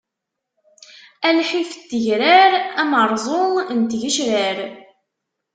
A lḥif n tegrar, ameṛṛẓu n tgecrar!